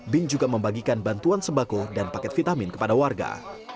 bin juga membagikan bantuan sembako dan paket vitamin kepada warga